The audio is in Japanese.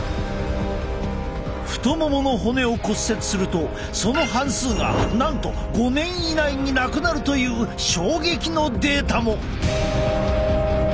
太ももの骨を骨折するとその半数がなんと５年以内に亡くなるという衝撃のデータも！